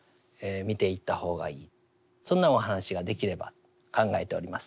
そんなお話ができればと考えております。